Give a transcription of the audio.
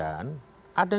ada nilai yang diperlukan